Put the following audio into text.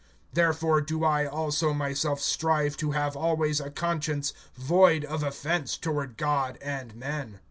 (16)Therefore do I also myself strive to have always a conscience void of offense toward God and men.